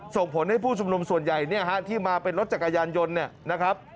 ส่งผลให้ผู้ชุมนุมส่วนใหญ่เนี่ยฮะที่มาเป็นรถจักรยานยนต์เนี่ยนะครับ